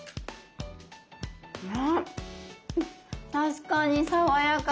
あっ確かに爽やか！